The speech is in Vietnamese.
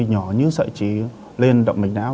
nhỏ như sợi trí lên động mạch não